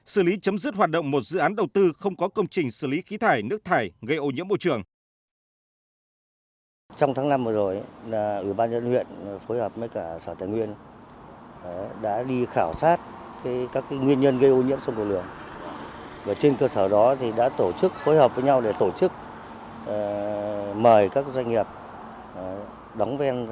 xử lý chấm dứt hoạt động một dự án đầu tư không có công trình xử lý khí thải nước thải gây ô nhiễm môi trường